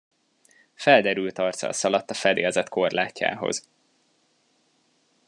Felderült arccal szaladt a fedélzet korlátjához.